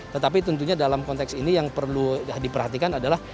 tetapi tentunya dalam konteks ini yang perlu diperhatikan adalah